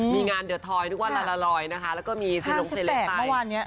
มีงานเดอะทอยทุกวันละละลอยนะคะแล้วก็มีสินลงเซเลปไป